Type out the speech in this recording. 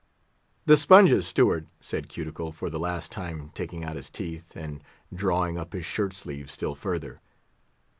"The sponges, Steward," said Cuticle, for the last time taking out his teeth, and drawing up his shirt sleeves still further.